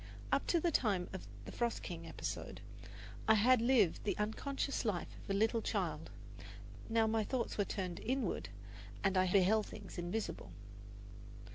Up to the time of the "Frost King" episode, I had lived the unconscious life of a little child; now my thoughts were turned inward, and I beheld things invisible.